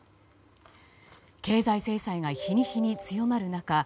経済制裁が日に日に強まる中